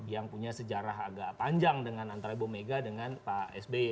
yang punya sejarah agak panjang dengan antara ibu mega dengan pak sby